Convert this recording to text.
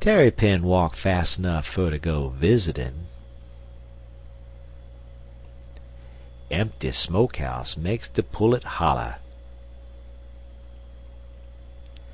Tarrypin walk fast 'nuff fer to go visitin'. Empty smoke house makes de pullet holler.